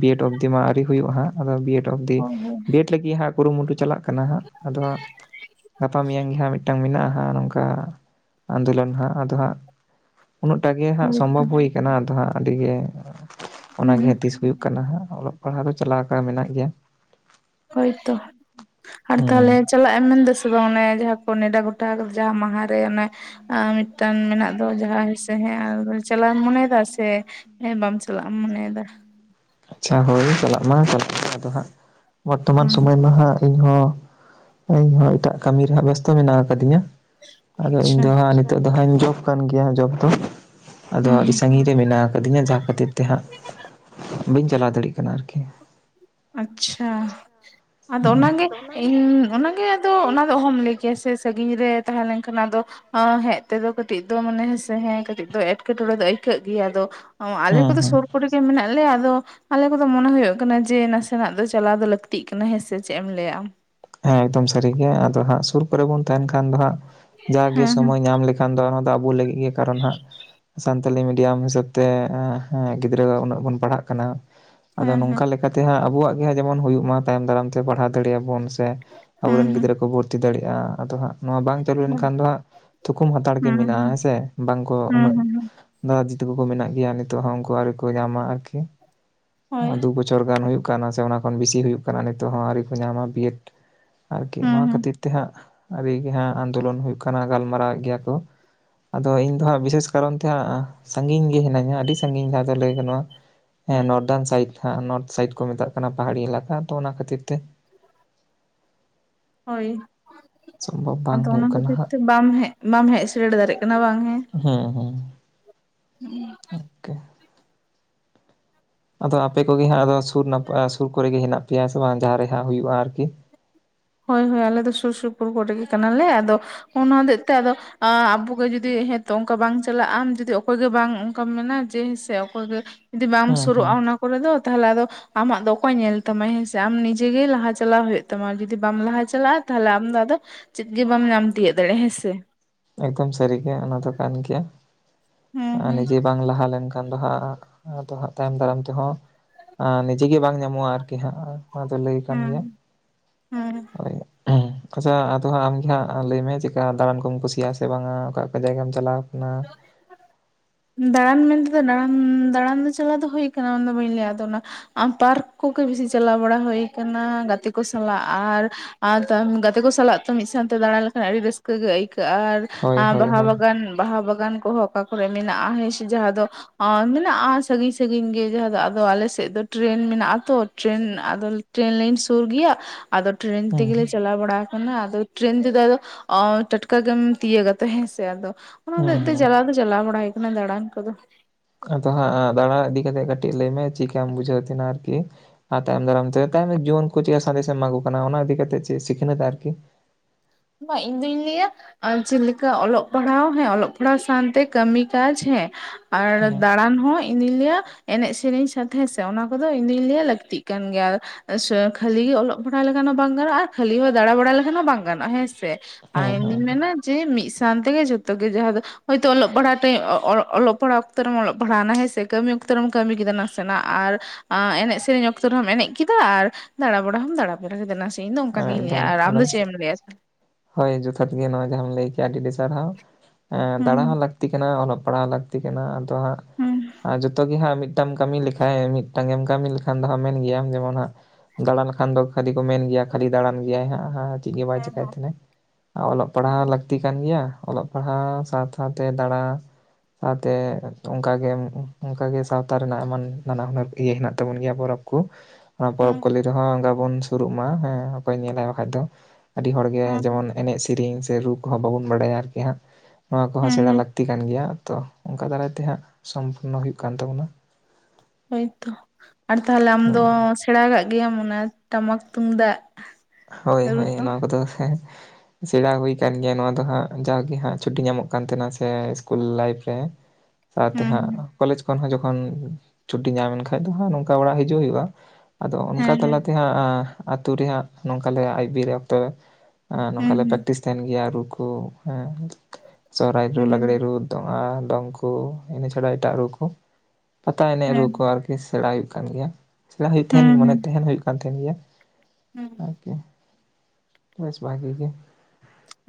ᱵᱤᱮᱰ ᱚᱵᱫᱤ ᱢᱟ ᱟᱹᱣᱨᱤ ᱦᱩᱭᱩᱜᱼᱟ ᱦᱟᱸᱜ, ᱟᱫᱚ ᱵᱤᱮᱰ ᱚᱯᱷᱫᱤ, ᱦᱳᱭ ᱦᱳᱭ ᱵᱤᱮᱰ ᱞᱟᱹᱜᱤᱫ ᱦᱟᱸᱜ ᱠᱩᱨᱩᱢᱩᱴᱩ ᱪᱟᱞᱟᱜ ᱠᱟᱱᱟ ᱦᱟᱸᱜ, ᱟᱫᱚ ᱦᱟᱸᱜ ᱜᱟᱯᱟ ᱢᱮᱭᱟᱝ ᱜᱮ ᱦᱟᱸᱜ ᱢᱤᱫᱴᱟᱝ ᱢᱮᱱᱟᱜᱼᱟ ᱦᱟᱸᱜ ᱱᱚᱝᱠᱟ ᱟᱱᱫᱳᱞᱚᱱ ᱦᱟᱸᱜ, ᱟᱫᱚ ᱦᱟᱸᱜ ᱩᱱᱟᱹᱜ ᱴᱟᱜ ᱜᱮ ᱦᱟᱸᱜ ᱦᱳᱭᱛᱚ ᱥᱚᱢᱵᱷᱚᱵᱽ ᱦᱩᱭ ᱠᱟᱱᱟ ᱟᱫᱚ ᱦᱟᱸᱜ ᱟᱹᱰᱤ ᱜᱮ, ᱦᱩᱸ ᱚᱱᱟᱜᱮ ᱦᱩᱸ ᱦᱟᱸᱜ ᱛᱤᱥ ᱦᱩᱭᱩᱜ ᱠᱟᱱᱟ ᱦᱟᱸᱜ, ᱚᱞᱚᱜ ᱯᱟᱲᱦᱟᱜ ᱫᱚ ᱪᱟᱞᱟᱣ ᱟᱠᱟ ᱢᱮᱱᱟᱜ ᱜᱮᱭᱟ᱾ ᱦᱳᱭ ᱛᱚ, ᱟᱨ ᱛᱟᱦᱚᱞᱮ ᱦᱮᱸ ᱪᱟᱞᱟᱜ ᱮᱢ ᱢᱮᱱᱫᱟ ᱥᱮ ᱵᱟᱝ ᱚᱱᱮ ᱡᱟᱦᱟᱸ ᱠᱚ ᱱᱮᱰᱟ ᱜᱩᱴᱟ ᱟᱠᱟᱫ ᱡᱟᱦᱟᱸ ᱢᱟᱦᱟ ᱨᱮ ᱚᱱᱮ ᱟ ᱢᱤᱫᱴᱟᱝ ᱢᱮᱱᱟᱜ ᱫᱚ ᱡᱟᱦᱟᱸᱭ ᱦᱮᱸ ᱥᱮ ᱦᱮᱸ ᱪᱟᱞᱟᱣ ᱮᱢ ᱢᱚᱱᱮᱭᱮᱫᱟ ᱥᱮ ᱦᱮᱸ ᱵᱟᱢ ᱪᱟᱞᱟᱜ ᱟᱢ ᱢᱚᱱᱮᱭᱮᱫᱟ? ᱟᱪᱪᱷᱟ [inaudible] ᱪᱟᱞᱟᱜ ᱢᱟ [inaudible] ᱟᱫᱚ ᱦᱟᱸᱜ ᱵᱚᱨᱛᱚᱢᱟᱱ ᱦᱩᱸ ᱥᱚᱢᱚᱭ ᱢᱟ ᱦᱟᱸᱜ ᱤᱧᱦᱚᱸ, ᱤᱧᱦᱚᱸ ᱮᱴᱟᱜ ᱠᱟᱢᱤ ᱨᱮᱱᱟᱜ ᱵᱮᱥᱛᱚ ᱢᱮᱱᱟᱜ ᱟᱠᱟᱫᱤᱧᱟ, ᱟᱫᱚ ᱤᱧ ᱟᱪᱪᱷᱟ ᱫᱚ ᱦᱟᱸᱜ ᱱᱤᱛᱚᱜ ᱫᱚ ᱦᱟᱸᱜ ᱡᱚᱵ ᱠᱟᱱ ᱜᱮᱭᱟ ᱦᱟᱸᱜ ᱡᱚᱵ ᱫᱚ, ᱟᱫᱚ ᱦᱩᱸ ᱟᱹᱰᱤ ᱦᱩᱸ ᱥᱟᱺᱜᱤᱧ ᱨᱮ ᱢᱮᱱᱟᱜ ᱟᱠᱟᱫᱤᱧᱟ ᱡᱟᱦᱟᱸ ᱠᱷᱟᱹᱛᱤᱨ ᱛᱮ ᱦᱟᱸᱜ ᱵᱟᱹᱧ ᱪᱟᱞᱟᱣ ᱫᱟᱲᱮᱜ ᱠᱟᱱᱟ ᱟᱨᱠᱤ᱾ ᱟᱪᱪᱷᱟ, ᱟᱫᱚ ᱦᱩᱸ ᱚᱱᱟ ᱜᱮ ᱤᱧ ᱚᱱᱟ ᱜᱮ ᱟᱫᱚ ᱚᱱᱟ ᱫᱚ ᱚᱦᱚᱢ ᱞᱟᱹᱭ ᱠᱮᱭᱟ ᱥᱮ ᱥᱟᱺᱜᱤᱧ ᱨᱮ ᱛᱟᱦᱮᱸ ᱞᱮᱝᱠᱷᱟᱱ ᱟᱫᱚ ᱟᱻ ᱦᱮᱡ ᱛᱮᱫᱚ ᱠᱟᱹᱴᱤᱡ ᱫᱚ ᱢᱟᱱᱮ ᱦᱮᱸ ᱥᱮ ᱦᱮᱸ ᱠᱟᱹᱴᱤᱡ ᱫᱚ ᱮᱸᱴᱠᱮᱴᱚᱬᱮ ᱫᱚ ᱟᱹᱭᱠᱟᱹᱜ ᱜᱮᱭᱟ ᱟᱫᱚ ᱚ ᱟᱞᱮ ᱦᱩᱸ ᱠᱚᱫᱚ ᱦᱩᱸ ᱥᱩᱨ ᱠᱚᱨᱮ ᱜᱮ ᱢᱮᱱᱟᱜ ᱞᱮᱭᱟ ᱟᱫᱚ, ᱟᱞᱮ ᱠᱚᱫᱚ ᱢᱚᱱᱮ ᱦᱩᱭᱩᱜ ᱠᱟᱱᱟ ᱡᱮ ᱱᱟ ᱥᱮᱱᱟᱜ ᱫᱚ ᱪᱟᱞᱟᱣ ᱫᱚ ᱞᱟᱹᱠᱛᱤᱜ ᱠᱟᱱᱟ ᱦᱮᱸ ᱥᱮ ᱪᱮᱫ ᱮᱢ ᱞᱟᱹᱭᱟ ᱟᱢ? ᱦᱮᱸ ᱮᱠᱫᱚᱢ ᱥᱟᱹᱨᱤ ᱜᱮ ᱟᱫᱚ ᱦᱟᱸᱜ ᱥᱩᱨ ᱠᱚᱨᱮ ᱵᱚᱱ ᱛᱟᱦᱮᱸᱱ ᱠᱷᱟᱱ ᱫᱚ ᱦᱟᱸᱜ, ᱡᱟᱜᱮ ᱦᱮᱸ ᱦᱮᱸ ᱥᱚᱢᱚᱭ ᱧᱟᱢ ᱞᱮ ᱠᱷᱟᱱ ᱫᱚ ᱚᱱᱟ ᱫᱚ ᱟᱵᱩ ᱞᱟᱹᱜᱤᱫ ᱜᱤ ᱠᱟᱨᱚᱱ ᱦᱟᱸᱜ ᱥᱟᱱᱛᱟᱞᱤ ᱢᱤᱰᱤᱭᱟᱢ ᱦᱤᱥᱟᱹᱵ ᱛᱮ ᱜᱤᱫᱽᱨᱟᱹ ᱩᱱᱟᱹᱜ ᱵᱩᱱ ᱯᱟᱲᱦᱟᱜ ᱠᱟᱱᱟ, ᱟᱫᱚ ᱦᱮᱸ ᱦᱮᱸ ᱱᱚᱝᱠᱟ ᱞᱮᱠᱟᱛᱮ ᱦᱟᱸᱜ ᱟᱵᱩᱣᱟᱜ ᱜᱮ ᱦᱟᱸᱜ ᱡᱮᱢᱚᱱ ᱦᱩᱭᱩᱜ ᱢᱟ ᱛᱟᱭᱚᱢ ᱫᱟᱨᱟᱢ ᱛᱮ ᱯᱟᱲᱦᱟᱣ ᱫᱟᱲᱮᱭᱟᱵᱩᱱ ᱥᱮ ᱦᱩᱸ ᱟᱵᱩᱨᱮᱱ ᱦᱩᱸ ᱜᱤᱫᱽᱨᱟᱹ ᱠᱚ ᱵᱷᱚᱨᱛᱤ ᱫᱟᱲᱮᱭᱟᱜᱼᱟ, ᱟᱫᱚ ᱦᱟᱸᱜ ᱱᱚᱣᱟ ᱵᱟᱝ ᱪᱟᱹᱞᱩ ᱞᱮᱱ ᱠᱷᱟᱱ ᱫᱚ ᱦᱟᱸᱜ ᱛᱷᱩᱠᱩᱢ ᱦᱟᱛᱟᱲ ᱜᱮ ᱦᱩᱸ ᱦᱩᱸ ᱢᱮᱱᱟᱜᱼᱟ ᱦᱮᱸᱥᱮ? ᱵᱟᱝᱠᱚ ᱩᱱᱟᱹᱜ ᱦᱩᱸ ᱦᱩᱸ ᱦᱩᱸ ᱫᱟᱫᱟ ᱡᱤ ᱛᱟᱹᱠᱚ ᱠᱩ ᱢᱮᱱᱟᱜ ᱜᱮᱭᱟ ᱱᱤᱛᱚᱜ ᱦᱚᱸ ᱩᱱᱠᱩ ᱟᱣᱨᱤ ᱠᱩ ᱧᱟᱢᱟ ᱟᱨᱠᱤ ᱦᱳᱭ ᱦᱩᱸ ᱫᱩ ᱵᱚᱪᱷᱚᱨ ᱜᱟᱱ ᱦᱩᱭᱩᱜ ᱠᱟᱱᱟ ᱥᱮ ᱚᱱᱟ ᱠᱷᱚᱱ ᱵᱤᱥᱤ ᱦᱩᱭᱩᱜ ᱠᱟᱱᱟ ᱱᱤᱛᱚᱜ ᱦᱚᱸ ᱟᱣᱨᱤ ᱠᱚ ᱧᱟᱢᱟ ᱵᱮᱭᱴ ᱟᱨᱠᱤ ᱦᱩᱸ ᱱᱚᱣᱟ ᱦᱩᱸ ᱠᱷᱟᱹᱛᱤᱨ ᱛᱮ ᱦᱟᱸᱜ ᱟᱹᱰᱤ ᱜᱮ ᱦᱟᱸᱜ ᱟᱱᱫᱳᱞᱚᱱ ᱦᱩᱭᱩᱜ ᱠᱟᱱᱟ ᱜᱟᱞᱢᱟᱨᱟᱣᱼᱮᱫ ᱜᱮᱭᱟ ᱠᱚ᱾ ᱟᱫᱚ ᱤᱧ ᱫᱚ ᱦᱟᱸᱜ ᱵᱤᱥᱮᱥ ᱠᱟᱨᱚᱱ ᱛᱮ ᱦᱟᱸᱜ ᱥᱟᱺᱜᱤᱧ ᱜᱤ ᱦᱤᱱᱟᱹᱧᱟ ᱟᱹᱰᱤ ᱥᱟᱺᱜᱤᱧ ᱡᱟᱦᱟᱸ ᱫᱚ ᱞᱟᱹᱭ ᱜᱟᱱᱚᱜᱼᱟ, ᱦᱮᱸ ᱦᱩᱸ ᱱᱚᱨᱫᱟᱱ ᱥᱟᱭᱤᱰ ᱱᱚᱨᱛᱷ ᱥᱟᱭᱤᱰ ᱠᱩ ᱢᱮᱛᱟᱜ ᱠᱟᱱᱟ ᱯᱟᱦᱟᱲᱤ ᱮᱞᱟᱠᱟ ᱛᱚ ᱚᱱᱟ ᱠᱷᱟᱹᱛᱤᱨ ᱛᱮ ᱦᱳᱭ ᱥᱚᱢᱵᱷᱚᱵ ᱵᱟᱝ ᱟᱫᱚ ᱚᱱᱟ ᱦᱩᱭᱩᱜ ᱠᱟᱱᱟ ᱠᱷᱟᱹᱛᱤᱨ ᱦᱟᱸᱜ ᱛᱮ ᱵᱟᱢ ᱵᱟᱢ ᱦᱮᱡ ᱥᱮᱰᱮᱨ ᱫᱟᱲᱮᱭᱟᱜ ᱠᱟᱱᱟ ᱵᱟᱝ ᱦᱮᱸ? ᱦᱩᱸ ᱦᱩᱸ᱾ ᱦᱮᱸ᱾ ᱟᱫᱚ ᱟᱯᱮ ᱠᱚᱜᱮ ᱦᱟᱸᱜ ᱟᱫᱚ ᱥᱩᱨ, ᱥᱩᱨ ᱠᱚᱨᱮᱜ ᱜᱮ ᱦᱮᱸᱱᱟᱜ ᱯᱮᱭᱟ ᱥᱮ ᱵᱟᱝ ᱡᱟᱦᱟᱸ ᱨᱮ ᱦᱟᱸᱜ ᱦᱩᱭᱩᱜᱼᱟ ᱟᱨᱠᱤ᱾ ᱦᱳᱭ, ᱦᱳᱭ ᱟᱞᱮ ᱫᱚ ᱥᱩᱨ ᱥᱩᱯᱩᱨ ᱠᱚᱨᱮ ᱜᱮ ᱠᱟᱱᱟᱞᱮ ᱟᱫᱚ ᱚᱱᱟ ᱦᱚᱛᱮᱜ ᱛᱮ ᱟᱫᱚ ᱟᱸ ᱟᱵᱩᱜᱮ ᱡᱩᱫᱤ ᱦᱮᱸᱛᱚ ᱚᱱᱠᱟ ᱵᱟᱝ ᱪᱟᱞᱟᱜ ᱟᱢ ᱡᱩᱫᱤ ᱚᱠᱚᱭ ᱜᱮ ᱵᱟᱝ ᱚᱱᱠᱟᱢ ᱢᱮᱱᱟ ᱡᱮᱸ ᱥᱮ ᱚᱠᱚᱭ ᱜᱮ ᱡᱩᱫᱤ ᱵᱟᱢ ᱦᱩᱸ ᱥᱩᱨᱩᱜᱼᱟ ᱦᱩᱸ ᱚᱱᱟ ᱠᱚᱨᱮ ᱫᱚ, ᱛᱟᱦᱞᱮ ᱟᱫᱚ ᱟᱢᱟᱜ ᱫᱚ ᱚᱠᱚᱭ ᱧᱮᱞ ᱛᱟᱢᱟ ᱦᱮᱸᱥᱮ ᱟᱢ ᱱᱤᱡᱮ ᱜᱮ ᱞᱟᱦᱟ ᱪᱟᱞᱟᱣ ᱦᱩᱭᱩᱜ ᱛᱟᱢᱟ, ᱡᱩ ᱫᱤ ᱵᱟᱢ ᱞᱟᱦᱟ ᱪᱟᱞᱟᱜᱼᱟ ᱛᱟᱦᱚᱞᱮ ᱟᱢ ᱫᱚ ᱟᱫᱚ ᱪᱮᱫ ᱜᱮ ᱵᱟᱢ ᱧᱟᱢ ᱛᱤᱭᱟᱹᱜ ᱫᱟᱲᱮᱭᱟᱜᱼᱟ ᱦᱮᱸᱥᱮ᱾ ᱮᱠᱫᱚᱢ ᱥᱟᱹᱨᱤ ᱜᱮ ᱚᱱᱟ ᱫᱚ ᱠᱟᱱ ᱜᱮᱭᱟ, ᱦᱩᱸ ᱟ ᱦᱩᱸ ᱱᱤᱡᱮ ᱵᱟᱝ ᱞᱟᱦᱟ ᱞᱮᱱ ᱠᱷᱟᱱ ᱫᱚ ᱦᱟᱸᱜ ᱟᱫᱚ ᱦᱟᱸᱜ ᱛᱟᱭᱚᱢ ᱫᱟᱨᱟᱢ ᱛᱮᱦᱚᱸ ᱟᱸ ᱱᱤᱡᱮ ᱜᱮ ᱵᱟᱝ ᱧᱟᱢᱚᱜᱼᱟ ᱟᱨᱠᱤ ᱦᱟᱸᱜ᱾ ᱚᱱᱟ ᱫᱚ ᱞᱟᱹᱭ ᱠᱟᱱ ᱦᱩᱸ ᱜᱮᱭᱟ ᱦᱩᱸ [inaudible] ᱦᱩᱸ ᱟᱪᱪᱷᱟ ᱟᱫᱚ ᱦᱟᱸᱜ ᱟᱢ ᱜᱮ ᱦᱟᱸᱜ ᱞᱟᱹᱭ ᱢᱮ ᱪᱮᱠᱟ ᱫᱟᱬᱟᱱ ᱠᱚᱢ ᱠᱩᱥᱤᱭᱟ ᱥᱮ ᱵᱟᱝᱟ ᱚᱠᱟ ᱚᱠᱟ ᱡᱟᱭᱜᱟᱢ ᱪᱟᱞᱟᱣ ᱠᱟᱱᱟ? ᱫᱟᱬᱟᱱ ᱢᱮᱱᱛᱮ ᱫᱚ ᱫᱟᱬᱟᱱ ᱫᱟᱬᱟᱱ ᱫᱚ ᱪᱟᱞᱟᱣ ᱫᱚ ᱦᱩᱭ ᱠᱟᱱᱟ ᱚᱱᱟ ᱫᱚ ᱵᱟᱹᱧ ᱞᱟᱹᱭᱟ ᱟᱫᱚ ᱚᱱᱟ ᱟᱢ ᱯᱟᱨᱠ ᱠᱩᱜᱤ ᱵᱮᱥᱤ ᱪᱟᱞᱟᱣ ᱵᱟᱲᱟ ᱦᱩᱭ ᱠᱟᱱᱟ ᱜᱟᱛᱮ ᱠᱚ ᱥᱟᱞᱟᱜ, ᱟᱨ ᱟᱨ ᱛᱟᱭᱚᱢ ᱜᱟᱛᱮ ᱠᱚ ᱥᱟᱞᱟᱜ ᱛᱚ ᱢᱤᱫ ᱥᱟᱶᱛᱮ ᱫᱟᱬᱟ ᱞᱮᱠᱷᱟᱱ ᱟᱹᱰᱤ ᱨᱟᱹᱥᱠᱟᱹ ᱜᱮ ᱟᱹᱭᱠᱟᱹᱜᱼᱟ᱾ ᱟ ᱦᱳᱭ ᱦᱳᱭ ᱵᱟᱦᱟ ᱦᱳᱭ ᱵᱟᱜᱟᱱ, ᱵᱟᱦᱟ ᱵᱟᱜᱟᱱ ᱠᱚᱦᱚᱸ ᱚᱠᱟ ᱠᱚᱨᱮ ᱢᱮᱱᱟᱜᱼᱟ ᱦᱮᱸᱥᱮ ᱡᱟᱦᱟᱸ ᱫᱚ ᱟ ᱢᱮᱱᱟᱜᱼᱟ ᱥᱟᱺᱜᱤᱧ ᱥᱟᱺᱜᱤᱧ ᱜᱮ ᱡᱟᱦᱟᱸ ᱫᱚ ᱟᱫᱚ ᱟᱞᱮ ᱥᱮᱫ ᱫᱚ ᱴᱨᱮᱹᱱ ᱢᱮᱱᱟᱜ ᱟᱛᱚ ᱴᱨᱮᱱ ᱟᱫᱚ ᱴᱨᱮᱱ ᱞᱟᱭᱤᱱ ᱥᱩᱨ ᱜᱤᱭᱟ ᱟᱫᱚ ᱴᱨᱮᱱ ᱛᱮ ᱦᱩᱸ ᱜᱮ ᱪᱟᱞᱟᱣ ᱵᱟᱲᱟ ᱠᱟᱱᱟ ᱟᱫᱚ ᱴᱨᱮᱱ ᱛᱮᱫᱚ ᱴᱟᱴᱠᱟ ᱜᱮᱢ ᱛᱤᱭᱟᱹᱜᱼᱟ ᱛᱮ ᱦᱮᱸᱥᱮ? ᱟᱫᱚ ᱚᱱᱟ ᱠᱟᱹᱡ ᱦᱩᱸ ᱛᱮ ᱦᱩᱸ ᱪᱟᱞᱟᱣ ᱫᱚ ᱪᱟᱞᱟᱣ ᱵᱟᱲᱟ ᱠᱟᱱᱟ ᱫᱟᱬᱟᱱ ᱠᱩᱫᱚ᱾ ᱟᱫᱚ ᱦᱟᱸᱜ ᱫᱟᱬᱟ ᱤᱫᱤ ᱠᱟᱛᱮᱜ ᱠᱟᱹᱴᱤᱡ ᱞᱟᱹᱭ ᱢᱮ ᱪᱤᱠᱠᱟᱢ ᱵᱩᱡᱷᱟᱹᱣ ᱛᱟᱦᱤᱱᱟ ᱟᱨᱠᱤ᱾ ᱟᱨ ᱛᱟᱭᱚᱢ ᱫᱟᱨᱟᱢ ᱛᱟᱭᱚᱢ ᱡᱩᱣᱟᱹᱱ ᱠᱩ ᱪᱮᱫ ᱥᱟᱸᱫᱮᱥᱮ ᱮᱢ ᱟᱢᱟ ᱠᱚ ᱠᱟᱱᱟ ᱚᱱᱟ ᱤᱫᱤ ᱠᱟᱛᱮ ᱪᱮᱫ ᱥᱤᱠᱷᱱᱟᱹᱛ ᱟᱨᱠᱤ᱾ ᱵᱟ ᱤᱧ ᱫᱩᱧ ᱞᱟᱹᱭᱟ ᱟ ᱪᱮᱫᱞᱤᱠᱟ ᱚᱞᱚᱜ ᱯᱟᱲᱦᱟᱣ ᱦᱮᱸ ᱚᱞᱚᱜ ᱯᱟᱲᱦᱟᱣ ᱥᱟᱶᱛᱮ ᱠᱟᱹᱢᱤ ᱠᱟᱡᱽ ᱦᱮᱸ, ᱟᱨ ᱦᱩᱸ ᱫᱟᱬᱟᱱ ᱦᱚᱸ ᱤᱧᱦᱩᱧ ᱞᱟᱹᱭᱟ ᱮᱱᱮᱡ ᱥᱮᱨᱮᱧ ᱥᱟᱶᱛᱮ ᱦᱮᱸ ᱥᱮ ᱚᱱᱟ ᱠᱚᱫᱚ ᱤᱧᱫᱚᱧ ᱞᱟᱹᱭ ᱞᱟᱹᱠᱛᱤᱜ ᱠᱟᱱ ᱜᱮᱭᱟ ᱾ ᱥᱚ ᱠᱷᱟᱹᱞᱤ ᱜᱮ ᱚᱞᱚᱜ ᱯᱟᱲᱦᱟᱣ ᱞᱮᱠᱷᱟᱱ ᱦᱚᱸ ᱵᱟᱝ ᱜᱟᱱᱚᱜᱼᱟ ᱟᱨ ᱠᱷᱟᱹᱞᱤ ᱦᱚᱸ ᱫᱟᱬᱟ ᱵᱟᱲᱟᱭ ᱞᱮᱠᱷᱟᱱ ᱦᱚᱸ ᱵᱟᱝ ᱜᱟᱱᱼᱟ ᱦᱮᱸ ᱥᱮ ᱟᱨ ᱦᱩᱸ ᱦᱩᱸ ᱤᱧᱫᱩᱧ ᱢᱮᱱᱟ ᱡᱮ ᱢᱤᱫ ᱥᱟᱶ ᱛᱮᱜᱮ ᱡᱷᱚᱛᱚ ᱜᱮ ᱡᱟᱦᱟᱸ ᱫᱚ ᱦᱳᱭᱛᱳ ᱚᱞᱚᱜ ᱯᱟᱲᱦᱟᱜ ᱛᱮ ᱚ ᱚ ᱚᱞᱚᱜ ᱯᱟᱲᱦᱟᱜ ᱚᱠᱛᱚ ᱨᱮᱢ ᱚᱞᱚᱜ ᱯᱟᱲᱦᱟᱣᱱᱟ ᱦᱮᱸᱥᱮ ᱠᱟᱹᱢᱤ ᱚᱠᱛᱚ ᱨᱮᱢ ᱠᱟᱹᱢᱤ ᱠᱮᱫᱟ ᱱᱟᱥᱮᱱᱟᱜ ᱟᱨ ᱟ ᱮᱱᱮᱡ ᱥᱮᱨᱮᱧ ᱚᱠᱛᱚ ᱨᱮᱦᱚᱢ ᱮᱱᱮᱡ ᱠᱮᱫᱟ ᱟᱨ ᱫᱟᱬᱟᱵᱟᱲᱟ ᱦᱚᱢ ᱫᱟᱬᱟ ᱵᱟ ᱵᱟᱲᱟ ᱠᱮᱫᱟ ᱱᱟᱥᱮ ᱤᱧ ᱫᱚ ᱚᱱᱠᱟᱜᱮᱧ ᱞᱟᱹᱭᱟ, ᱮᱠᱫᱚᱢ ᱟᱢ ᱫᱚ ᱮᱠᱫᱚᱢ ᱪᱮᱜ ᱞᱟᱹᱭᱟ? ᱦᱳᱭ ᱡᱚᱛᱷᱟᱛ ᱜᱮ ᱱᱚᱣᱟ ᱡᱟᱦᱟᱸᱟᱢ ᱞᱟᱹᱭ ᱠᱮᱜᱼᱟ ᱟᱹᱰᱤ ᱟᱹᱰᱤ ᱥᱟᱨᱦᱟᱣ ᱾ ᱫᱟᱬᱟ ᱦᱩᱸ ᱦᱚᱸ ᱞᱟᱹᱠᱛᱤ ᱠᱟᱱᱟ ᱚᱞᱚᱜ ᱯᱟᱲᱦᱟᱣ ᱞᱟᱹᱠᱛᱤ ᱠᱟᱱᱟ ᱟᱫᱚ ᱦᱟᱸᱜ ᱦᱩᱸ ᱡᱚᱛᱚ ᱜᱮ ᱦᱟᱸᱜ, ᱢᱤᱫᱴᱟᱝ ᱮᱢ ᱠᱟᱹᱢᱤ ᱞᱮᱠᱷᱟᱡ ᱢᱤᱫᱴᱟᱝᱢ ᱠᱟᱹᱢᱤ ᱞᱮᱠᱷᱟᱱ ᱫᱚ ᱦᱟᱸᱜ ᱢᱮᱱ ᱜᱮᱭᱟᱢ ᱡᱮᱢᱚᱱ ᱦᱟᱸᱜ, ᱫᱟᱬᱟᱱ ᱠᱷᱟᱱ ᱫᱚ ᱠᱷᱟᱞᱤ ᱠᱚ ᱢᱮᱱ ᱜᱮᱭᱟ ᱠᱷᱟᱹᱞᱤ ᱫᱟᱬᱟᱱ ᱜᱮᱭᱟᱭ ᱦᱟᱸᱜ ᱦᱟᱸᱪᱮᱫ ᱜᱮ ᱵᱟᱭ ᱪᱮᱠᱟᱭ ᱛᱟᱦᱮᱱ ᱟᱨ ᱚᱞᱚᱜ ᱯᱟᱲᱦᱟᱜ ᱞᱟ ᱠ ᱛᱤ ᱠᱟᱱ ᱜᱮᱭᱟ ᱚᱞᱚᱜ ᱯᱟᱲᱦᱟᱶ ᱥᱟᱶ ᱥᱟᱶᱛᱮ ᱫᱟᱬᱟ ᱾ ᱥᱟᱶᱛᱮ ᱚᱝᱠᱟᱜᱮ ᱚᱝᱠᱟᱜᱮ ᱥᱟᱶᱛᱟ ᱨᱮᱱᱟᱜ ᱮᱢᱟᱱ ᱱᱟᱱᱟ ᱦᱩᱱᱟᱹᱨ ᱤᱭᱟᱹ ᱦᱮᱱᱟᱜ ᱛᱟᱵᱚᱱ ᱜᱮᱭᱟ ᱯᱚᱨᱚᱵᱽ ᱠᱚ ᱚᱱᱟ ᱯᱚᱨᱚᱵᱽ ᱦᱩᱸ ᱠᱚᱞᱤ ᱨᱮᱦᱚᱸ ᱚᱝᱠᱟ ᱵᱩᱱ ᱥᱳᱨᱳᱜ ᱢᱟ ᱦᱮᱸ ᱾ ᱚᱠᱚᱭ ᱧᱮᱞᱟᱭ ᱵᱟᱠᱷᱟᱡ ᱫᱚ ᱟᱹᱰᱤ ᱦᱚᱲᱜᱮ ᱦᱩᱸ ᱡᱮᱢᱚᱱ ᱦᱩᱸ ᱮᱱᱮᱡ ᱥᱮᱹᱨᱮᱹᱧ ᱥᱮ ᱨᱩᱯ ᱾ ᱠᱚᱦᱚᱸ ᱵᱟᱵᱚᱱ ᱵᱟᱲᱟᱭᱟ ᱟᱨᱠᱤ ᱦᱟᱸᱜ ᱱᱚᱣᱟ ᱠᱚᱦᱚᱸ ᱦᱩᱸ ᱥᱮᱬᱟ ᱦᱩᱸ ᱞᱟᱹᱠᱛᱤ ᱠᱟᱱ ᱜᱮᱭᱟ ᱛᱚ ᱾ ᱚᱝᱠᱟ ᱫᱟᱨᱟᱭ ᱛᱮ ᱦᱟᱸᱜ ᱥᱚᱢᱯᱩᱨᱱᱚ ᱦᱩᱭᱩᱜ ᱠᱟᱱ ᱛᱟᱵᱚᱱᱟ ᱾ ᱦᱩᱸ ᱥᱮᱲᱟ ᱠᱟᱜ ᱜᱮᱭᱟᱢ ᱚᱱᱟ ᱴᱟᱢᱟᱠ ᱛᱩᱢᱫᱟᱜ? ᱦᱳᱭ ᱨᱩ ᱦᱳᱭ ᱠᱚ ᱱᱚᱣᱟ ᱠᱚᱫᱚ ᱷᱮᱦ-ᱥ-ᱮ ᱥᱮᱬᱟ ᱦᱩᱭ ᱟᱠᱟᱱ ᱜᱮᱭᱟ ᱱᱚᱣᱟ ᱫᱚ ᱦᱟᱸᱜ ᱡᱟᱣᱟᱜᱮ ᱦᱟᱸᱜ ᱪᱷᱩᱴᱤ ᱧᱟᱢᱚᱜ ᱠᱟᱱ ᱛᱟᱦᱮᱱᱟ ᱥᱮ ᱤᱥᱠᱩᱞ ᱞᱟᱭᱤᱯᱷ ᱨᱮ ᱾ [unintelligible] ᱥᱚ----ᱼᱼᱼᱼᱼᱼ-ᱼᱚ ᱾ ᱥᱟᱶᱛᱮ ᱦᱩᱸ ᱦᱟᱸᱜ ᱦᱩᱸ ᱠᱚᱞᱮᱡᱷ ᱠᱷᱚᱱ ᱦᱚᱸ ᱡᱚᱠᱷᱚᱱ ᱪᱷᱩᱴᱤ ᱧᱟᱢᱱ ᱠᱷᱟᱡ ᱫᱚ ᱦᱟᱸᱜ ᱱᱚᱝᱠᱟ ᱚᱲᱟᱜ ᱦᱤᱡᱩᱜ ᱦᱩᱭᱩᱜᱼᱟ ᱾ ᱟᱫᱚ ᱚᱱᱠᱟ ᱦᱮᱸ ᱦᱮᱸ ᱛᱟᱞᱟᱛᱮ ᱦᱟᱸᱜ ᱟᱛᱩᱨᱮ ᱦᱟᱸᱜ ᱱᱚᱝᱠᱟ ᱞᱮ ᱟᱭᱵᱤᱨ ᱚᱠᱛᱚ ᱟᱸ ᱱᱚᱝᱠᱟ ᱦᱩᱸ ᱞᱮ ᱦᱩᱸ ᱯᱮᱠᱴᱤᱥ ᱛᱟᱦᱮᱱ ᱜᱮᱭᱟ ᱨᱩ ᱠᱚ ᱦᱮᱸ ᱥᱚᱦᱨᱟᱭ ᱨᱩ, ᱦᱩᱸ ᱞᱟᱜᱽᱲᱮ ᱨᱩ ᱾ ᱫᱚᱝᱼᱟ ᱫᱚᱝ ᱠᱚ ᱤᱱᱟᱹ ᱪᱷᱟᱲᱟ ᱮᱴᱟᱜ ᱨᱩ ᱠᱚ ᱯᱟᱛᱟ ᱮᱱᱮᱡ ᱨᱩ ᱠᱚ ᱦᱮᱸ ᱟᱨᱠᱤ ᱾ ᱥᱮᱬᱟ ᱦᱳᱭᱳᱜ ᱠᱟᱱ ᱜᱮᱭᱟ ᱥᱮᱬᱟ ᱦᱳᱭᱳᱜ ᱛᱟᱦᱮᱸᱱ ᱦᱩᱸ ᱢᱟᱱᱮ ᱦᱩᱸ ᱛᱟᱦᱮᱱ ᱦᱳᱭᱳᱜ ᱠᱟᱱ ᱛᱟᱦᱮᱱ ᱜᱮᱭᱟ ᱾ ᱦᱩᱸ ᱾ ᱟᱪ-ᱪᱷᱟ ᱵᱮᱹᱥ ᱵᱷᱟᱜᱮᱹ ᱜᱮ ᱾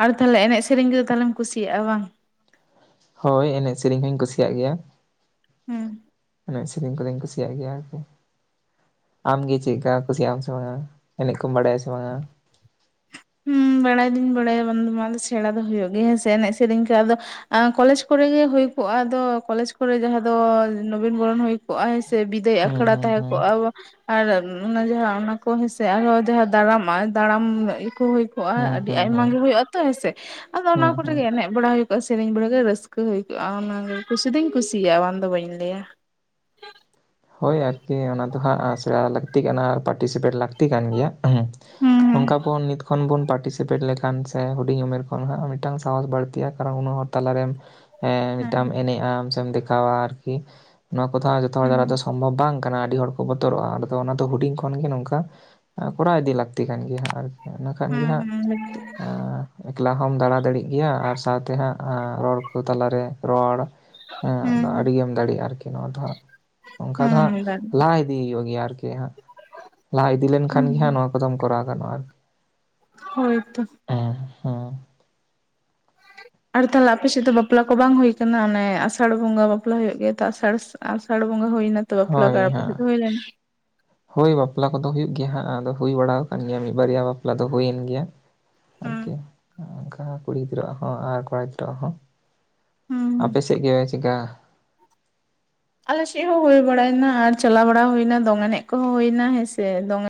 ᱟᱨ ᱛᱟᱞᱦᱮ ᱮᱱᱮᱡ ᱥᱮᱹᱨᱮᱹᱧ ᱠᱚᱫᱚ ᱛᱟᱦᱞᱮᱢ ᱠᱩᱥᱤᱭᱟᱜᱼᱟ ᱵᱟᱝ? ᱦᱳᱭ ᱮᱱᱮᱡ ᱥᱮᱹᱨᱮᱹᱧ ᱦᱚᱧ ᱠᱩᱥᱤᱭᱟᱜ ᱜᱮᱭᱟ ᱾ ᱦᱮᱸ ᱾ ᱮᱱᱮᱡ ᱥᱮᱹᱨᱮᱹᱧ ᱠᱚᱫᱚᱧ ᱠᱩᱥᱤᱭᱟᱜ ᱜᱮᱭᱟ ᱟᱨᱠᱤ ᱾ ᱟᱢᱜᱮ ᱪᱮᱫ ᱞᱮᱠᱟ ᱠᱩᱥᱤᱭᱟᱜ ᱟᱢ ᱥᱮ ᱵᱟᱝᱟ ᱮᱱᱮᱡ ᱠᱚᱢ ᱵᱟᱰᱟᱭᱟ ᱥᱮ ᱵᱟᱝᱟ? ᱦᱩᱸ ᱵᱟᱲᱟᱭ ᱫᱩᱧ ᱵᱟᱲᱟᱭᱟ ᱵᱟᱝᱫᱚ ᱵᱟᱝ ᱥᱮᱲᱟ ᱫᱚ ᱦᱩᱭᱩᱜ ᱜᱮᱭᱟ ᱦᱮᱸᱥ ᱮᱱᱮᱡ ᱥᱮᱹᱨᱮᱹᱧ ᱠᱚ ᱟᱫᱚ ᱠᱚᱞᱮᱡᱽ ᱠᱚᱨᱮᱜᱮ ᱦᱳᱭ ᱠᱚᱜᱼᱟ ᱟᱫᱚ ᱠᱚᱞᱮᱡᱽ ᱠᱚᱨᱮ ᱡᱟᱦᱟᱸ ᱫᱚ ᱱᱚᱵᱤᱱ ᱵᱚᱨᱚᱱ ᱦᱳᱭ ᱠᱚᱜᱼᱟᱭ ᱥᱮ ᱵᱤᱫᱟᱹᱭ ᱦᱩᱸ ᱟᱠᱷᱲᱟ ᱦᱩᱸ ᱛᱟᱦᱮᱸ ᱦᱩᱸ ᱠᱚᱜᱼᱟ ᱾ ᱟᱨ ᱚᱱᱟ ᱡᱟᱦᱟᱸ ᱚᱱᱟ ᱠᱚ ᱦᱮᱸᱥᱮ ᱟᱨᱦᱚᱸ ᱡᱟᱦᱟᱸ ᱫᱟᱨᱟᱢᱼᱟ ᱫᱟᱲᱟᱢ ᱠᱚ ᱦᱩᱭ ᱠᱚᱜᱼ ᱠᱚᱜ-ᱟ ᱦᱩᱸ ᱟᱹᱰᱤ ᱦᱩᱸ ᱟᱭᱢᱟ ᱦᱩᱸ ᱜᱮ ᱦᱳᱭᱳᱜᱼᱟ ᱛᱚ ᱦᱮᱸᱥᱮ? ᱟᱫᱚ ᱚᱱᱟ ᱦᱩᱸ ᱠᱚᱨᱮᱜ ᱦᱩᱸ ᱜᱮ ᱮᱱᱮᱡ ᱵᱟᱲᱟ ᱦᱳᱭ-ᱠᱚᱜᱼᱟ ᱥᱮᱹᱨᱮᱹᱧ ᱵᱟᱲᱟ ᱜᱮ ᱨᱟᱹᱥᱠᱟᱹ ᱦᱩᱭ ᱠᱚᱜᱼᱟ ᱚᱱᱟᱜᱮ ᱠᱩᱥᱤ ᱛᱤᱧ ᱠᱩᱥᱤᱭᱟᱜᱼᱟ ᱵᱟᱝᱫᱚ ᱵᱟᱹᱧ ᱞᱟᱹᱭ ᱟ ᱾ ᱦᱳᱭ ᱟᱨᱠᱤ ᱚᱱᱟ ᱫᱚ ᱦᱟᱸᱜ ᱥᱮᱬᱟ ᱞᱟᱹᱠᱛᱤᱜ ᱠᱟᱱᱟ ᱯᱟᱴᱤᱥᱤᱯᱮᱴ ᱞᱟᱹᱠᱛᱤ ᱠᱟᱱ ᱜᱮᱭᱟ ᱾ ᱮᱸᱷᱮᱸᱦ, ᱚᱝᱠᱟ ᱦᱩᱸ ᱵᱚᱱ ᱱᱤᱛ ᱠᱷᱚᱱ ᱵᱚᱱ ᱯᱟᱴᱤᱥ ᱥᱤᱯᱮᱴ ᱞᱮᱠᱷᱟᱱ ᱥᱮ ᱦᱩᱰᱤᱧ ᱩᱢᱮᱹᱨ ᱠᱷᱚᱱ ᱦᱟᱸᱜ ᱢᱤᱫᱴᱟᱝ ᱥᱟᱦᱚᱥ ᱵᱟᱹᱲᱛᱤᱜᱼᱟ ᱠᱟᱨᱚᱱ ᱩᱱᱟᱹᱜ ᱦᱚᱲ ᱛᱟᱞᱟᱨᱮᱢ ᱦᱮᱸ ᱦᱩᱸ ᱢᱤᱫᱴᱟᱢ ᱮᱱᱮᱡ ᱟᱢ ᱥᱮᱢ ᱫᱮᱠᱷᱟᱣᱟ ᱟᱨᱠᱤ ᱱᱚᱶᱟ ᱠᱚᱫᱚ ᱦᱟᱸᱜ ᱡᱚᱛᱚ ᱦᱚᱲ ᱫᱟᱨᱟᱭ ᱛᱮ ᱦᱮᱸ ᱥ ᱚᱢᱵᱷᱚᱵᱷ ᱵᱟᱝ ᱠᱟᱱᱟ ᱟᱰᱤ ᱦᱚᱲ ᱠᱚ ᱵᱚᱛᱚᱨᱚᱜᱼᱟ ᱟᱫᱚ ᱚᱱᱟ ᱫᱚ ᱦᱩᱰᱤᱧ ᱠᱷᱚᱱ ᱜᱮ ᱱᱚᱝᱠᱟ ᱠᱚᱨᱟᱣ ᱤᱫᱤ ᱞᱟᱠᱛᱤ ᱠᱟᱱ ᱜᱮᱭᱟ ᱦᱟᱸᱜ ᱟᱨᱠᱤ ᱤᱱᱟᱹᱠᱷᱟᱱ ᱜᱮ ᱦᱮᱸ ᱦᱟᱸᱜ ᱟ ᱮᱠᱞᱟ ᱦᱚᱢ ᱫᱟᱬᱟ ᱫᱟᱲᱮᱜ ᱜᱮᱭᱟ ᱟᱨ ᱥᱟᱶᱛᱮ ᱦᱟᱸᱜ ᱨᱚᱲ ᱠᱚ ᱛᱟᱞᱟᱨᱮ ᱨᱚᱲ ᱦᱮᱸ ᱟᱫᱚ ᱟᱰᱤ ᱜᱮᱢ ᱫᱟᱲᱮᱭᱟᱜᱼᱟ ᱟᱨᱠᱤ ᱱᱚᱣᱟ ᱫᱚ ᱦᱟᱸᱜ ᱚᱝᱠᱟ ᱫᱚ ᱦᱟᱸᱜ ᱦᱮᱸ ᱦᱮᱸ ᱞᱟᱦᱟ ᱤᱫᱤ ᱦᱳᱭᱳᱜ ᱜᱮᱭᱟ ᱟᱨᱠᱤ ᱛᱮ ᱦᱟᱸᱜ ᱞᱟᱦᱟ ᱤᱫᱤ ᱞᱮᱱᱠᱷᱟᱱ ᱜᱮ ᱦᱟᱸᱜ ᱦᱮᱸ ᱱᱚᱣᱟ ᱠᱚᱫᱚᱢ ᱠᱚᱨᱟᱣ ᱜᱟᱱᱚᱜᱼᱟ ᱟᱨᱠᱤ ᱴᱷᱤᱝ-ᱚᱜ, ᱦᱳᱭ ᱛᱚ ᱾ ᱦᱮᱸ ᱦᱮᱸ ᱟᱨ ᱛᱟᱞᱦᱮ ᱟᱯᱮᱥᱮᱫ ᱫᱚ ᱵᱟᱯᱞᱟ ᱠᱚ ᱵᱟᱝ ᱦᱳᱭ ᱟᱠᱟᱱᱟ ᱚᱱᱮ ᱟᱥᱟᱲ ᱵᱚᱸᱜᱟ ᱵᱟᱯᱞᱟ ᱦᱳᱭᱳᱜ ᱜᱮᱭᱟ ᱛᱚ ᱟᱥᱟᱲ ᱟᱥᱟᱲ ᱵᱚᱸᱜᱟ ᱦᱳᱭᱱᱟ ᱛ ᱦᱳᱭ ᱦᱮᱸ ᱾ ᱦᱳᱭ ᱵᱟᱯᱞᱟ ᱠᱚᱫᱚ ᱦᱩᱭᱩᱜ ᱜᱮᱭᱟ ᱦᱟᱸᱜ, ᱟᱫᱚ ᱦᱩᱭ ᱵᱟᱲᱟ ᱟᱠᱟᱱ ᱜᱮᱭᱟ ᱢᱤᱫ ᱵᱟᱨᱭᱟ ᱵᱟᱯᱞᱟ ᱫᱚ ᱦᱩᱭᱮᱱ ᱜᱮᱭᱟ ᱾ ᱦᱩᱸ ᱟᱨᱠᱤ ᱚᱱᱠᱟ ᱠᱩᱲᱤ ᱜᱤᱫᱽᱨᱟᱹᱣᱟᱜ ᱦᱚᱸ, ᱟᱨ ᱠᱚᱲᱟ ᱜᱤᱫᱽᱨᱟᱹᱣᱟᱜ ᱦᱚᱸ ᱦᱩᱸ ᱾ ᱦᱩᱸ ᱟᱯᱮ ᱥᱮᱫ ᱜᱮ ᱪᱤᱠᱟ? ᱟᱞᱮ ᱥᱮᱫ ᱦᱚᱸ ᱦᱩᱭ ᱵᱟᱲᱟᱭᱱᱟ, ᱟᱨ ᱪᱟᱞᱟᱣ ᱵᱟᱲᱟ ᱦᱩᱭᱱᱟ ᱫᱚᱝ ᱮᱱᱮᱡ ᱠᱚᱦᱚᱸ ᱦᱩᱭᱱᱟ ᱦᱮᱸᱥᱮ ᱫᱚᱝ ᱮᱱᱼᱼ